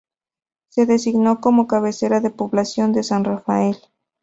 Se designó como cabecera la población de San Rafael.